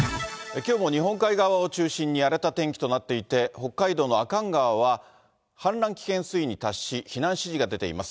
きょうも日本海側を中心に荒れた天気となっていて、北海道の阿寒川は氾濫危険水位に達し、避難指示が出ています。